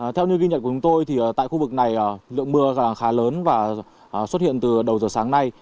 theo như ghi nhận của chúng tôi tại khu vực này lượng mưa khá lớn và xuất hiện từ đầu giờ sáng nay